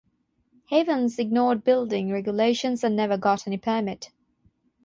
Havens ignored building regulations and never got any permit.